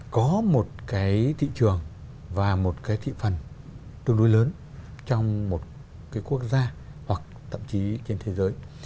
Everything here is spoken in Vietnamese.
có một cái thị trường và một cái thị phần tương đối lớn trong một cái quốc gia hoặc thậm chí trên thế giới